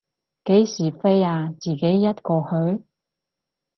幾時飛啊，自己一個去？